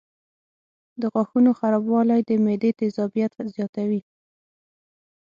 د غاښونو خرابوالی د معدې تیزابیت زیاتوي.